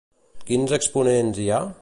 Quins exponents hi ha?